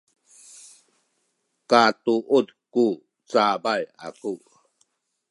katuud ku cabay aku